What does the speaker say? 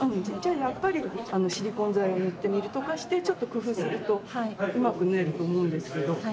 じゃあやっぱりシリコン剤を塗ってみるとかしてちょっと工夫するとうまく縫えると思うんですけど。